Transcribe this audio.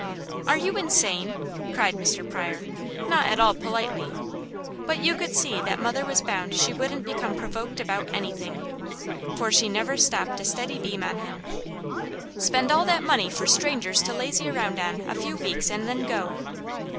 "Are you insane?" cried Mr. Pryor, not at all politely; but you could see that mother was bound she wouldn't become provoked about anything, for she never stopped a steady beam on him. "Spend all that money for strangers to lazy around on a few weeks and then go!"